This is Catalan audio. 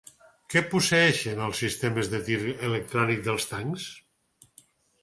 Què posseeixen els sistemes de tir electrònic dels tancs?